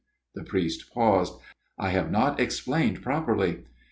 The priest paused. " I have not explained properly.